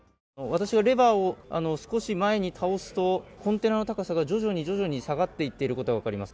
私がレバーを少し前に倒すと、コンテナの高さが徐々に徐々に下がっていっているのが分かります。